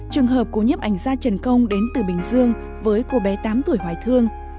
trường hợp của nhấp ảnh ra trần công đến từ bình dương với cô bé tám tuổi hoài thương